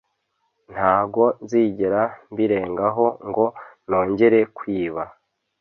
ntago nzigera mbirengaho ngo nongere kwiba!